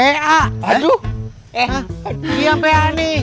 eh dia pa nih